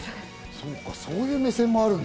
そうかそういう目線もある。